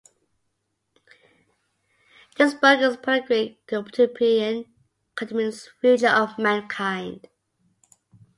This book is a panegyric to utopian "communist" future of mankind.